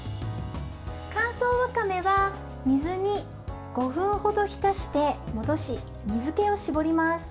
乾燥わかめは水に５分程浸して戻し水けを絞ります。